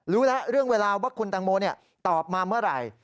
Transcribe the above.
รู้แล้วเรื่องเวลาว่าคุณแตงโมตอบมาเมื่อไหร่